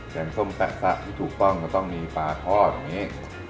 งส้มแซะที่ถูกต้องก็ต้องมีปลาทอดอย่างนี้